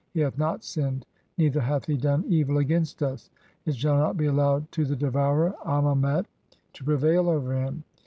He hath not sinned, neither hath he done "evil against us. It shall not be allowed to the devourer Amemet "to prevail over him.